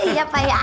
iya pak ya